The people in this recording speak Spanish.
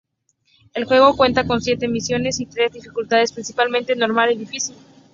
El juego cuenta con siete misiones y tres dificultades: Principiante, Normal y Difícil.